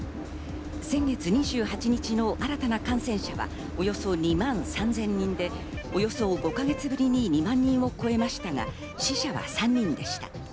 先月２８日の新たな感染者はおよそ２万３０００人で、およそ５か月ぶりに２万人を超えましたが、死者は３人でした。